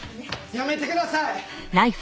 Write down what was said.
やめてください！